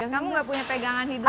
kamu gak punya pegangan hidup